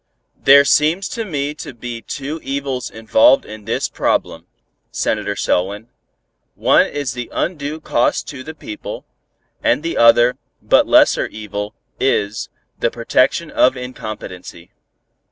There seems to me to be two evils involved in this problem, Senator Selwyn, one is the undue cost to the people, and the other, but lesser, evil, is the protection of incompetency.